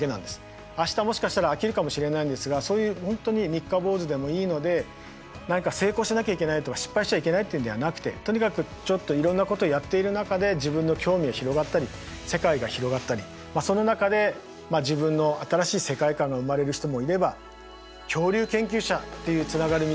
明日もしかしたら飽きるかもしれないんですがそういう本当に三日坊主でもいいので何か成功しなきゃいけないとか失敗しちゃいけないっていうのではなくてとにかくちょっといろんなことをやっている中で自分の興味が広がったり世界が広がったりその中で自分の新しい世界観が生まれる人もいれば恐竜研究者っていうつながる道に歩みだす皆さん